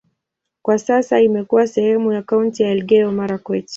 Kwa sasa imekuwa sehemu ya kaunti ya Elgeyo-Marakwet.